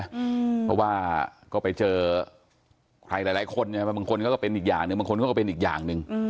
เพราะว่าก็ไปเจอใครหลายคนเนี่ยบางคนเขาก็เป็นอีกอย่างหนึ่งบางคนเขาก็เป็นอีกอย่างหนึ่ง